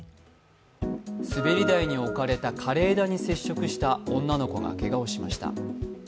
滑り台に置かれた枯れ枝に接触した女の子がけがをしました。